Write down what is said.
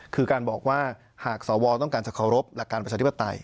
คือการบอกว่าหากสวต้องการจะเคารพหลักการประชาธิปไตย